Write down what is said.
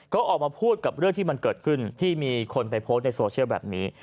ก็ออกมาพูดกับเรื่องที่มันเกิดขึ้นที่มีคนไปโพสต์ในโซเชียลแบบนี้